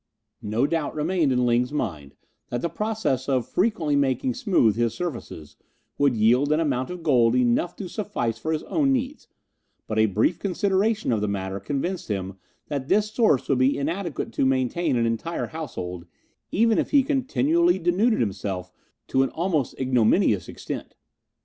No doubt remained in Ling's mind that the process of frequently making smooth his surfaces would yield an amount of gold enough to suffice for his own needs, but a brief consideration of the matter convinced him that this source would be inadequate to maintain an entire household even if he continually denuded himself to an almost ignominious extent.